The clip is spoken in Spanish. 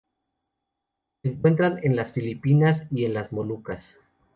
Se encuentran en las Filipinas y en las Molucas.